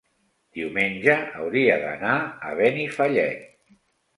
diumenge hauria d'anar a Benifallet.